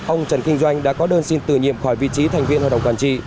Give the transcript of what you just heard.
ông trần kinh doanh đã có đơn xin tự nhiệm khỏi vị trí thành viên hoạt động toàn trị